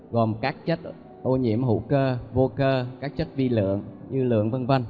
gồm các chất ô nhiễm hữu cơ vô cơ các chất vi lượng như lượng v v